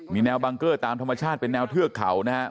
มีแนวบังเกอร์ตามธรรมชาติเป็นแนวเทือกเขานะครับ